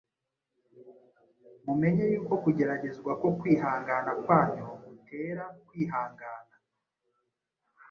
Mumenye yuko kugeragezwa ko kwizera kwanyu gutera kwihangana.